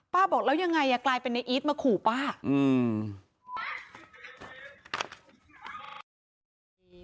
บอกแล้วยังไงอ่ะกลายเป็นในอีทมาขู่ป้าอืม